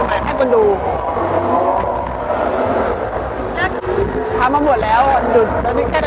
ไม่มีคนดูนะคะ